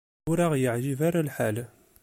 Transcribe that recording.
Ur aɣ-yeɛjib ara lḥal.